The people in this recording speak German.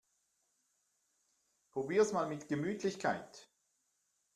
Probier's mal mit Gemütlichkeit!